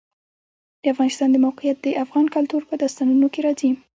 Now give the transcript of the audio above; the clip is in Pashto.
د افغانستان د موقعیت د افغان کلتور په داستانونو کې راځي.